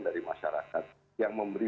dari masyarakat yang memberi